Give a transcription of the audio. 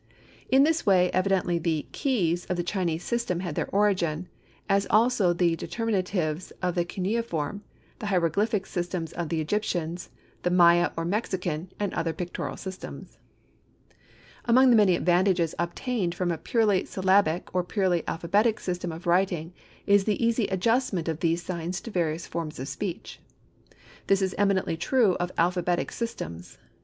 In this way evidently the "keys" of the Chinese system had their origin, as also the determinatives of the cuneiform, the hieroglyphic systems of the Egyptians, the Maya or Mexican, and other pictorial systems. Among the many advantages obtained from a purely syllabic, or purely alphabetic system of writing is the easy adjustment of these signs to various forms of speech. This is eminently true of alphabetic systems.